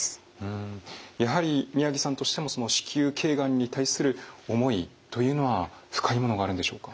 やはり宮城さんとしても子宮頸がんに対する思いというのは深いものがあるんでしょうか？